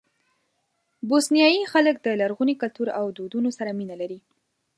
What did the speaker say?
بوسنیایي خلک د لرغوني کلتور او دودونو سره مینه لري.